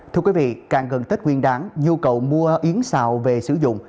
thưa quý vị càng gần tết nguyên đáng nhu cầu mua yến xào về sử dụng